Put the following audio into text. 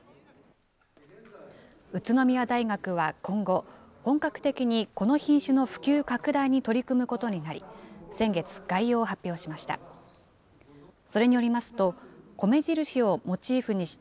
宇都宮大学は今後、本格的にこの品種の普及拡大に取り組むことになり、先月、概要を発表しました。